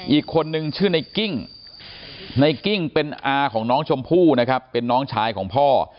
อีกคนนึงชื่อในกิ้งในกิ้งเป็นอาของน้องชมพู่นะครับเป็นน้องชายของพ่อ